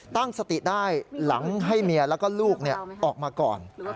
ตั้งสติได้หลังให้เมียแล้วก็ลูกออกมาก่อน